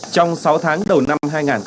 trong sáu tháng đầu năm hai nghìn hai mươi